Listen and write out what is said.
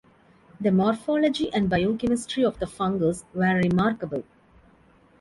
The morphology and biochemistry of the fungus were remarkable.